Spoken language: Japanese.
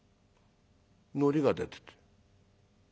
のりが出てて。